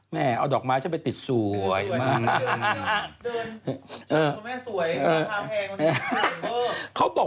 แหมเอาดอกไม้ชอบไม่ติดสวยมาก